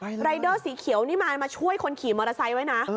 รายเดอร์สีเขียวนี่มามาช่วยคนขี่มอเตอร์ไซค์ไว้นะ